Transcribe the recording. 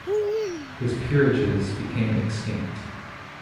His peerages became extinct.